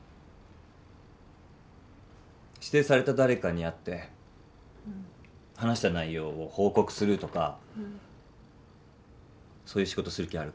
指定された誰かに会って話した内容を報告するとかそういう仕事する気あるか？